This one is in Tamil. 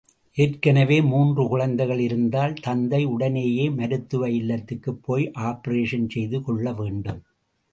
ஏற்கனவே மூன்று குழந்தைகள் இருந்தால் தந்தை உடனேயே மருத்துவ இல்லத்துக்குப் போய் ஆப்பரேஷன் செய்து கொள்ளவேண்டும்.